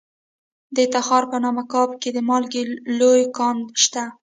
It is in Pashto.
د تخار په نمک اب کې د مالګې لوی کان دی.